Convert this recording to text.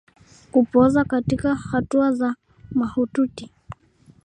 Kupooza katika hatua za mahututi